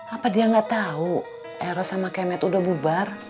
apa dia nggak tahu eros sama kemet udah bubar